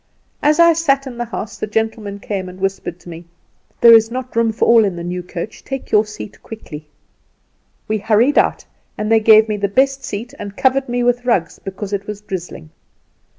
As I sat in the house the gentlemen came and whispered to me, 'There is not room for all in the new coach, take your seat quickly.' We hurried out, and they gave me the best seat, and covered me with rugs, because it was drizzling.